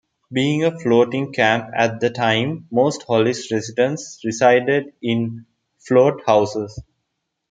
Being a floating camp at the time, most Hollis residents resided in float houses.